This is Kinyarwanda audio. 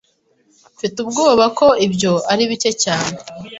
Mfite ubwoba ko ibyo ari bike cyane.